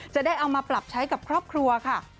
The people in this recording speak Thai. จะได้เอามาปรับใช้กับครอบครัวค่ะ